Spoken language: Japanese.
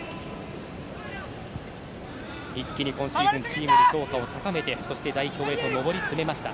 一気に今シーズンチームで評価を高めて代表の座へ上り詰めました。